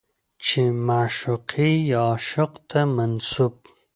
چې معشوقې يا عاشق ته منسوب